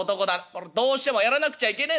「これどうしてもやらなくちゃいけねえの？